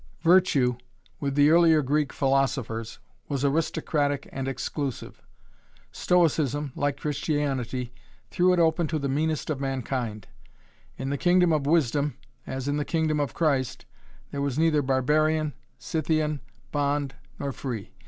Virtue, with the earlier Greek philosophers, was aristocratic and exclusive. Stoicism, like Christianity, threw it open to the meanest of mankind. In the kingdom of wisdom, as in the kingdom of Christ, there was neither barbarian, Scythian, bond, nor free.